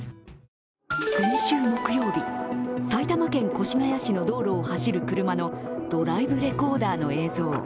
先週木曜日、埼玉県越谷市の道路を走る車のドライブレコーダーの映像。